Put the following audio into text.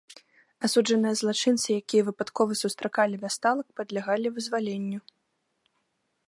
Асуджаныя злачынцы, якія выпадкова сустракалі вясталак, падлягалі вызваленню.